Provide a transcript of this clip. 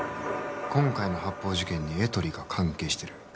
今回の発砲事件にエトリが関係してる？